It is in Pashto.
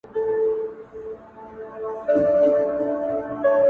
جهاني رامعلومېږي د شفق له خوني سترګو!